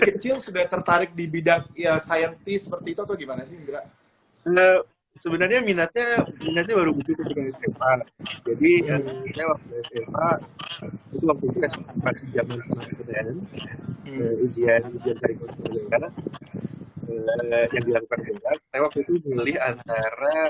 kecil sudah tertarik di bidang ya saintis seperti itu atau gimana sih indra sebenarnya minatnya